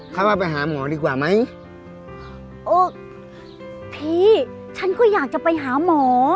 เขาว่าไปหาหมอดีกว่าไหมโอ้พี่ฉันก็อยากจะไปหาหมอ